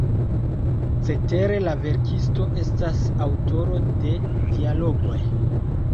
Cetere la verkisto estas aŭtoro de dialogoj.